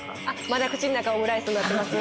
まだ口の中オムライスになってます